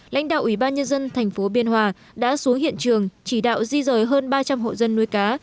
lãnh đạo ủy ban nhân dân thành phố biên hòa đã xuống hiện trường chỉ đạo di rời hơn ba trăm linh hộ dân nuôi cá